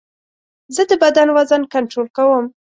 زه د بدن وزن کنټرول کوم.